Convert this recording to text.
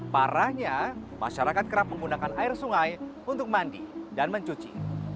parahnya masyarakat kerap menggunakan air sungai untuk mandi dan mencuci